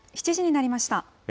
７時になりました。